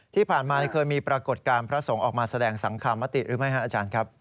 ที่ผ่านมาเคยมีปรากฏการณ์พระสงฆ์ออกมาแสดงสังคมติหรือไม่ครับอาจารย์ครับ